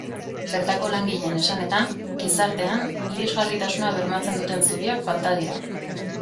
Bertako langileen esanetan, gizartean, irisgarritasuna bermatzen duten zubiak falta dira.